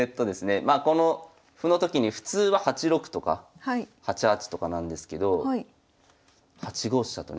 まあこの歩のときに普通は８六とか８八とかなんですけど８五飛車とね。